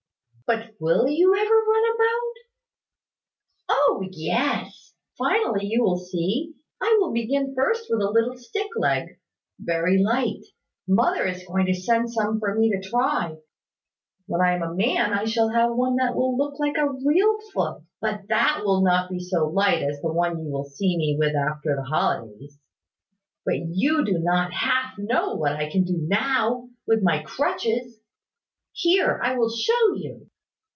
"But will you ever run about?" "O yes! Finely, you will see. I shall begin first with a little stick leg, very light. Mother is going to send some for me to try. When I am a man, I shall have one that will look like a real foot; but that will not be so light as the one you will see me with after the holidays. But you do not half know what I can do now, with my crutches. Here, I will show you."